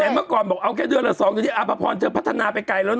แต่เมื่อก่อนบอกเอาแค่เดือนละสองอย่างนี้อาพพรเจอพัฒนาไปไกลแล้วเนอะ